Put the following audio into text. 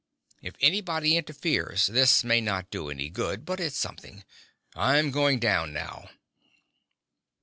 "If anybody interferes, this may not do any good, but it's something. I'm going down now."